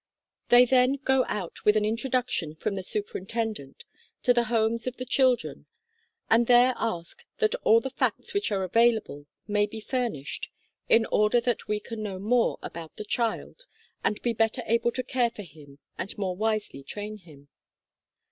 They then go out with an introduction from the Superintendent to the homes of the children and there ask that all the facts which are available may be furnished, in order that we can know more about the child and be better able to care for him and more wisely train him.